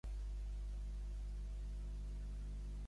A més, qui diuen els britànics que van supervisar l'actuació?